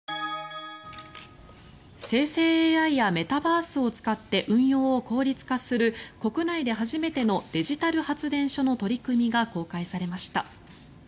生成ＡＩやメタバースを使って運用を効率化する国内で初めてのデジタル発電所の取り組みが公開されました。